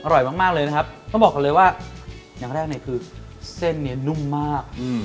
อร่อยมากเลยนะครับต้องบอกก่อนเลยว่าอย่างแรกเนี่ยคือเส้นนี้นุ่มมาก